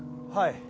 はい。